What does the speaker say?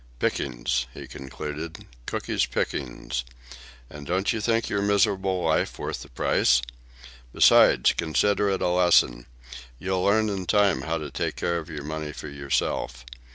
"Pickings," he concluded; "Cooky's pickings. And don't you think your miserable life worth the price? Besides, consider it a lesson. You'll learn in time how to take care of your money for yourself.